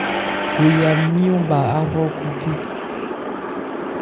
Goya nmyɔ̂n bha hrɔ́khúthé.